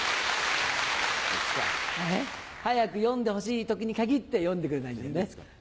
早く読んでほしい時に限って読んでくれないんだよね。